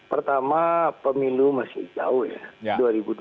pertama pemilu masih jauh ya